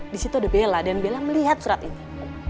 di situ ada bella dan bella melihat surat ini